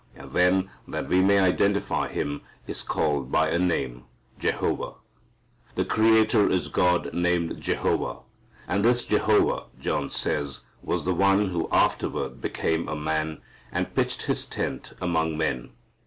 And then, that we may identify Him, is called by a name, Jehovah. The creator is God named Jehovah. And this Jehovah, John says, was the One who afterward became a Man, and pitched His tent among men.